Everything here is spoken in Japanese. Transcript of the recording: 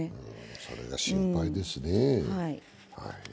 それが心配ですね。